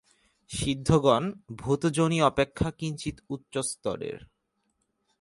সিদ্ধগণ ভূতযোনি অপেক্ষা কিঞ্চিৎ উচ্চস্তরের।